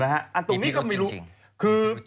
อันตรงนี้ก็ไม่รู้